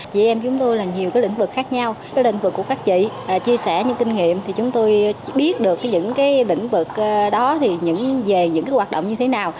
chị em chúng tôi là nhiều cái lĩnh vực khác nhau cái lĩnh vực của các chị chia sẻ những kinh nghiệm thì chúng tôi biết được những cái đỉnh vực đó thì về những cái hoạt động như thế nào